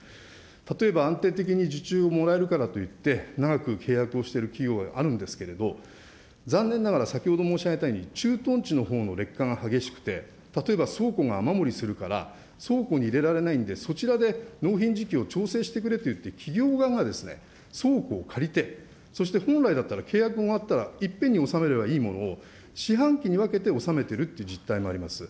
例えば安定的に受注をもらえるからといって、長く契約をしている企業があるんですけれども、残念ながら先ほど申し上げたように、駐屯地のほうの劣化が激しくて、例えば倉庫が雨漏りするから、倉庫に入れられないんでそちらで納品時期を調整してくれと言って、企業側が倉庫を借りて、そして本来だったら契約が終わったらいっぺんに納めればいいものを、四半期に分けて納めてるっていう実態もあります。